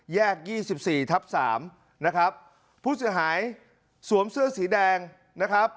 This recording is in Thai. ยี่สิบสี่ทับสามนะครับผู้เสียหายสวมเสื้อสีแดงนะครับ